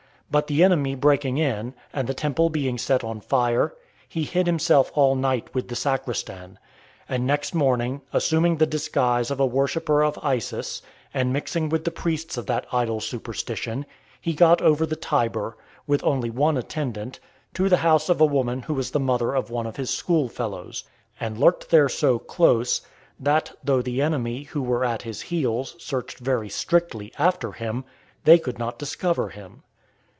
But the enemy breaking in, and the temple being set on fire, he hid himself all night with the sacristan; and next morning, assuming the disguise of a worshipper of Isis, and mixing with the priests of that idle superstition, he got over the Tiber , with only one attendant, to the house of a woman who was the mother of one of his school fellows, and lurked there so close, that, though the enemy, who were at his heels, searched very strictly after him, they could not discover him.